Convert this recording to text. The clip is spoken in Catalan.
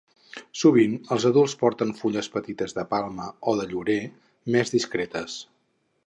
Sovint els adults porten fulles petites de palma o de llorer més discretes.